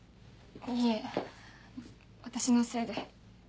いえ私のせいで。